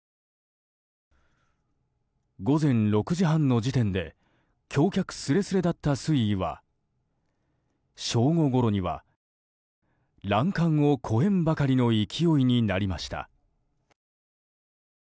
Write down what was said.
午前６時半の時点で橋脚すれすれだった水位は正午ごろには欄干を越えんばかりの勢いになりました。